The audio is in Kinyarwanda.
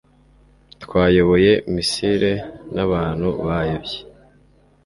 Twayoboye misile n'abantu bayobye.